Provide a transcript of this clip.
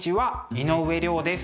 井上涼です。